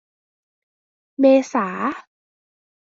เมษา